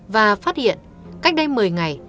và phát hiện cách đây một mươi ngày